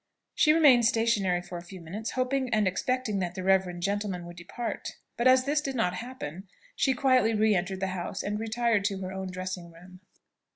She remained stationary for a few minutes, hoping and expecting that the reverend gentleman would depart: but as this did not happen, she quietly re entered the house and retired to her own dressing room.